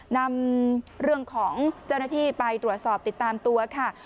นำเรื่องของเจ้าหน้าที่ไปตรวจสอบติดตามตัวค่ะ